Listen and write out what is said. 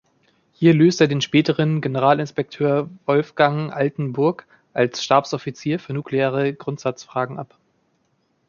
Hier löste er den späteren Generalinspekteur Wolfgang Altenburg als Stabsoffizier für nukleare Grundsatzfragen ab.